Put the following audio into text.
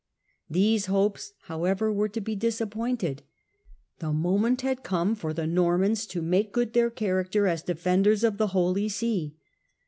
These hopes, however, were to be disappointed. The moment was come for the Normans to make good their character as defenders of the Holy See.